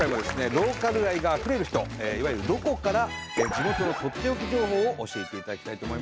ローカル愛があふれる人いわゆる「ロコ」から地元のとっておき情報を教えていただきたいと思います。